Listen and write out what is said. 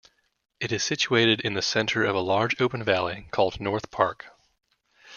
It is situated in the center of a large open valley called North Park.